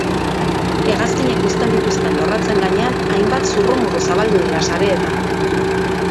Hegazkinek uzten dituzten lorratzen gainean hainbat zurrumurru zabaldu dira sareetan.